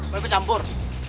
mau ikut campur